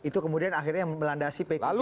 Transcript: itu kemudian akhirnya melandasi p tiga